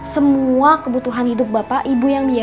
semua kebutuhan hidup bapak ibu yang biasa